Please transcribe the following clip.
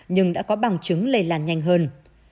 nhưng đã có bằng chứng lây lan nhanh hơn